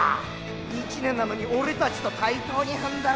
１年なのにオレたちと対等に踏んでる。